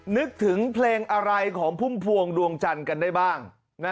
นึกถึงเพลงอะไรของพุ่มพวงดวงจันทร์กันได้บ้าง